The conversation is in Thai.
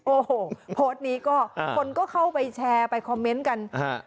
โอ้โหโพสต์นี้ก็คนก็เข้าไปแชร์ไปคอมเมนต์กันฮะ